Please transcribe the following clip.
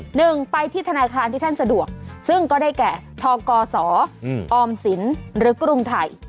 หนึ่งไปที่ธนาคารที่ท่านสะดวกซึ่งก็ได้แก่ทกศออมสินหรือกรุงไทย